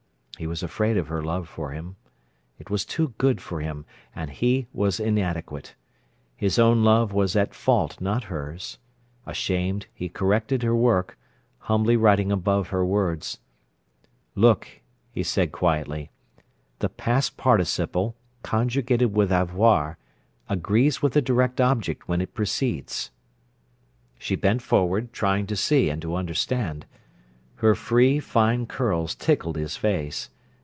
He was afraid of her love for him. It was too good for him, and he was inadequate. His own love was at fault, not hers. Ashamed, he corrected her work, humbly writing above her words. "Look," he said quietly, "the past participle conjugated with avoir agrees with the direct object when it precedes." She bent forward, trying to see and to understand. Her free, fine curls tickled his face.